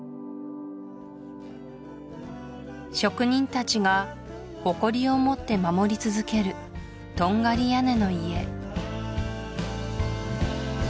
職人達が誇りを持って守り続けるトンガリ屋根の家